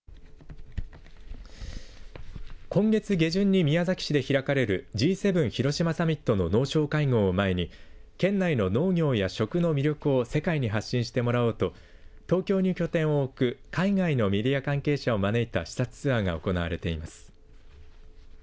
今月下旬に宮崎市で開かれるＧ７広島サミットの農相会合を前に県内の農業や食の魅力を世界に発信してもらおうと東京に拠点を置く海岸のメディア関係者を招いた視察ツアーが行われています。